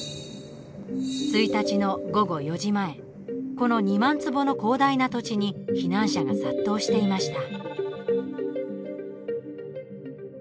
１日の午後４時前この２万坪の広大な土地に避難者が殺到していました。